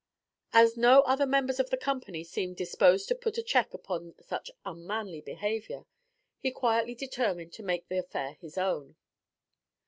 As no other member of the company seemed disposed to put a check upon such unmanly behavior, he quietly determined to make the affair his own.